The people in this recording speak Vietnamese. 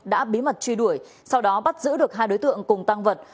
đã bí mật truy đuổi sau đó bắt giữ được hai đối tượng cùng tăng vật